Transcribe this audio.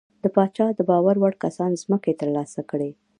د پاچا د باور وړ کسانو ځمکې ترلاسه کړې.